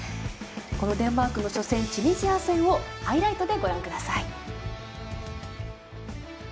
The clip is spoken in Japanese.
このデンマークの初戦チュニジア戦をハイライトでご覧ください。